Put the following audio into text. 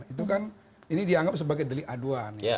itu kan ini dianggap sebagai delik aduan